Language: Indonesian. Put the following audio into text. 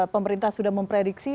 pemerintah sudah memprediksi